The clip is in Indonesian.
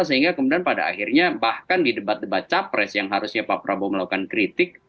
sehingga kemudian pada akhirnya bahkan di debat debat capres yang harusnya pak prabowo melakukan kritik